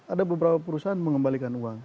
ada beberapa perusahaan mengembalikan uang